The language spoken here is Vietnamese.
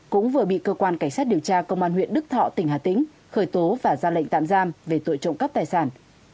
cũng vừa bị cơ quan cảnh sát điều tra công an huyện đức thọ tỉnh hà tĩnh khởi tố và ra lệnh tạm giam về tội trộm cắp tài sản